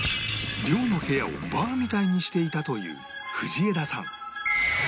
寮の部屋をバーみたいにしていたという藤枝さん